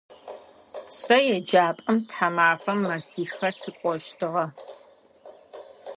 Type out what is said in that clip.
Сэ еджапӏэм тхьамафэм мэфихэ сыкӏощтыгъэ.